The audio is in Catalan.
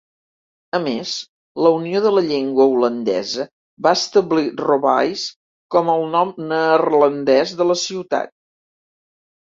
A més, la Unió de la Llengua Holandesa va establir "Robaais" com el nom neerlandès de la ciutat.